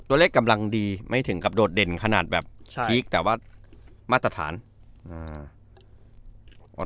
ตัวเลขกำลังดีไม่ถึงกับโดดเด่นขนาดแบบพีคแต่ว่ามาตรฐานอ่า